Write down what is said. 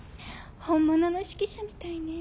本物の指揮者みたいね。